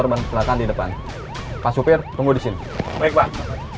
bagaimana kondisi korban